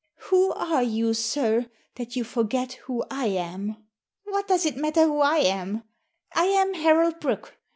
Who are you, sir, that you forget who I am ?"" What does it matter who I am ? I am Harold Brooke.